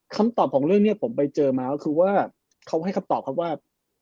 คำตอบของเรื่องนี้ผมไปเจอมาก็คือว่าเขาให้คำตอบครับว่า